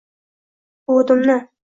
Bu udumni